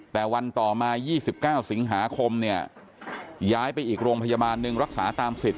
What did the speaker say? แต่วันต่อมา๒๙สิงหาคมเนี่ยย้ายไปอีกโรงพยาบาลหนึ่งรักษาตามสิทธิ